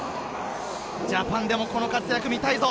ジャパンでもこの活躍、見たいぞ。